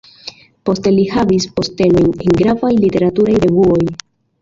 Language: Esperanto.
Poste li havis postenojn en gravaj literaturaj revuoj.